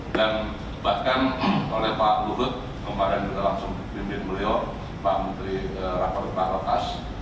dan bahkan oleh pak luhut kemarin kita langsung bimbing beliau pak menteri rapport pak rokas